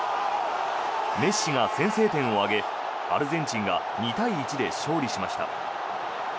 メッシが先制点を挙げアルゼンチンが２対１で勝利しました。